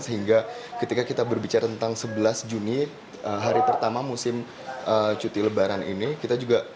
sehingga ketika kita berbicara tentang sebelas juni hari pertama musim cuti lebaran ini